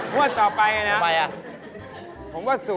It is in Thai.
งวดต่อไปนะ